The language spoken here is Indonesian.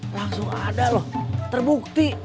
langsung ada loh terbukti